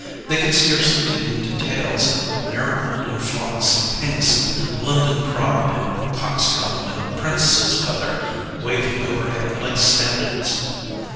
They could scarcely take in details of marigold and phlox and pinks and London pride and cock's combs, and prince's feather's waving overhead like standards.